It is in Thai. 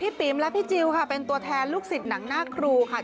ปิ๋มและพี่จิลค่ะเป็นตัวแทนลูกศิษย์หนังหน้าครูค่ะ